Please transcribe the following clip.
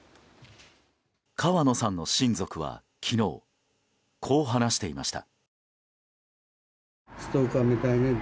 川野さんの親族は昨日こう話していました。